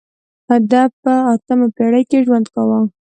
ده په اتمې پېړۍ کې ژوند کاوه.